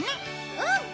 うん！